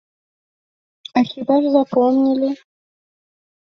А хіба ж запомнілі?